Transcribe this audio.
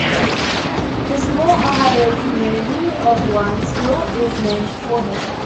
The small Ohio community of Lawrenceville is named for him.